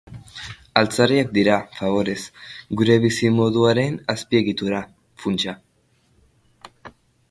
Altzariak dira, faborez, gure bizimoduaren azpiegitura, funtsa.